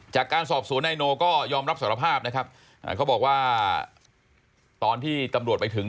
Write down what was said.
จากการสอบสวนนายโนก็ยอมรับสารภาพนะครับเขาบอกว่าตอนที่ตำรวจไปถึง